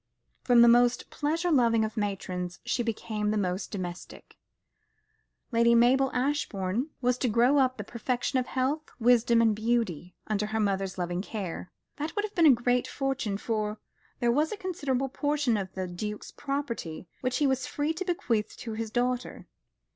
From the most pleasure loving of matrons, she became the most domestic. Lady Mabel Ashbourne was to grow up the perfection of health, wisdom, and beauty, under the mother's loving care. She would have a great fortune, for there was a considerable portion of the Duke's property which he was free to bequeath to his daughter.